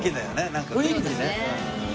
なんか雰囲気ね。